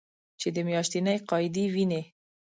چې د میاشتنۍ قاعدې وینې